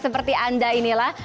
seperti anda inilah